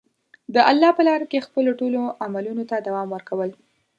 د الله په لاره کې خپلو ټولو عملونو ته دوام ورکول.